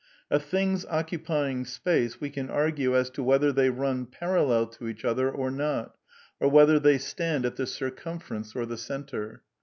Of things occupy ing space we can argue as to whether they run parallel to each other or not, or whether they stand at the circumfer ence or the centre.